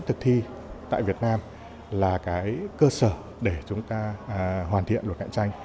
thực thi tại việt nam là cái cơ sở để chúng ta hoàn thiện luật cạnh tranh